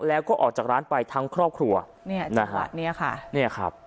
แล้วก็ออกจากร้านไปทั้งครอบครัวเนี่ยนะฮะเนี่ยค่ะเนี่ยครับ